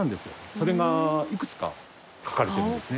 それがいくつか描かれてるんですね。